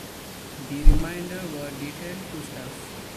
The remainder were detailed to staff.